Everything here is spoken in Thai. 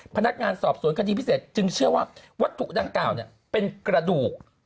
พนักงานสอบสวนคดีพิเศษจึงเชื่อว่าวัตถุดังกล่าวเป็นกระดูก